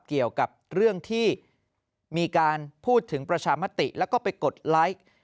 เกี่ยวกับเรื่องที่มีการพูดถึงประชามติแล้วก็ไปกดไลค์